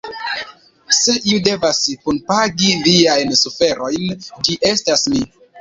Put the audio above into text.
Se iu devas punpagi viajn suferojn, ĝi estas mi.